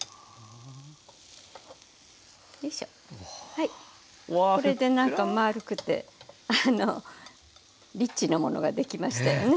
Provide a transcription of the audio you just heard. はいこれで何か丸くてリッチなものができましたよね。